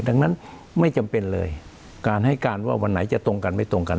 ดังนั้นไม่จำเป็นเลยการให้การว่าวันไหนจะตรงกันไม่ตรงกัน